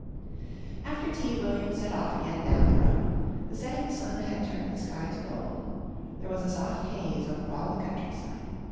After tea William set off again down the road. The setting sun had turned the sky to gold. There was a soft haze over all the countryside.